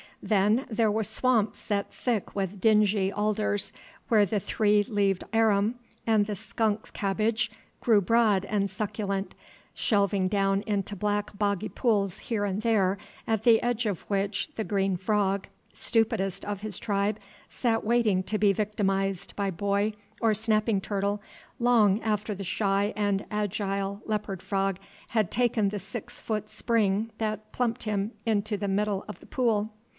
Then there were swamps set thick with dingy alders, where the three leaved arum and the skunk's cabbage grew broad and succulent, shelving down into black boggy pools here and there at the edge of which the green frog, stupidest of his tribe, sat waiting to be victimized by boy or snapping turtle long after the shy and agile leopard frog had taken the six foot spring that plumped him into the middle of the pool.